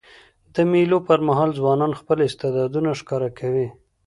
د مېلو پر مهال ځوانان خپل استعدادونه ښکاره کوي.